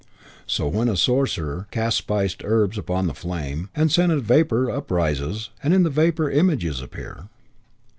So when a sorcerer casts spiced herbs upon the flame, and scented vapour uprises, and in the vapour images appear.